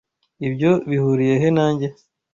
Ibyo bihuriye he nanjye?